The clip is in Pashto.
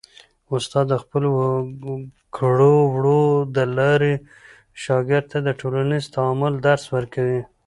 استاد د خپلو کړو وړو د لارې شاګرد ته د ټولنیز تعامل درس ورکوي.